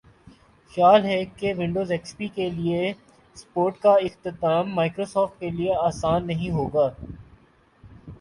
خیال ہے کہ ونڈوز ایکس پی کے لئے سپورٹ کااختتام مائیکروسافٹ کے لئے آسان نہیں ہوگا